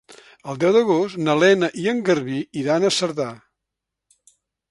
El deu d'agost na Lena i en Garbí iran a Cerdà.